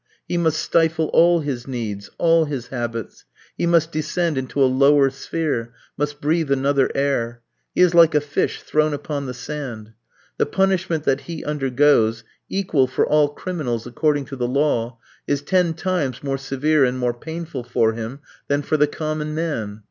He must stifle all his needs, all his habits, he must descend into a lower sphere, must breathe another air. He is like a fish thrown upon the sand. The punishment that he undergoes, equal for all criminals according to the law, is ten times more severe and more painful for him than for the common man.